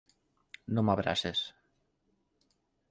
No m'abraces.